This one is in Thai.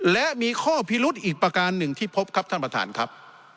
และมีข้อพิรุธอีกประการหนึ่งที่พบครับท่านประธานครับ